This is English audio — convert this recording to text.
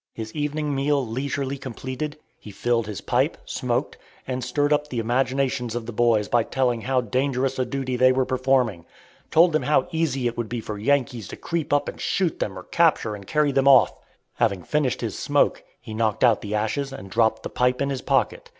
His evening meal leisurely completed, he filled his pipe, smoked, and stirred up the imaginations of the boys by telling how dangerous a duty they were performing; told them how easy it would be for the Yankees to creep up and shoot them or capture and carry them off. Having finished his smoke, he knocked out the ashes and dropped the pipe in his pocket.